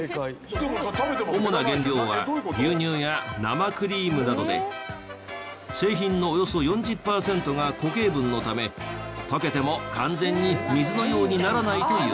主な原料は牛乳や生クリームなどで製品のおよそ４０パーセントが固形分のため溶けても完全に水のようにならないという。